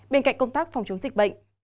bên cạnh công tác phòng chống dịch bệnh